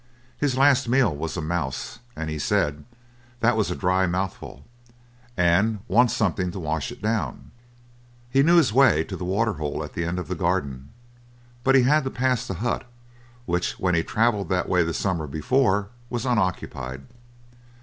His last meal was a mouse, and he said, "That was a dry mouthful, and wants something to wash it down." He knew his way to the water hole at the end of the garden, but he had to pass the hut, which when he travelled that way the summer before was unoccupied.